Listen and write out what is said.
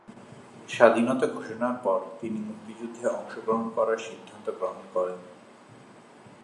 স্বাধীনতা ঘোষণার পর তিনি মুক্তিযুদ্ধে অংশগ্রহণ করার সিদ্ধান্ত গ্রহণ করেন।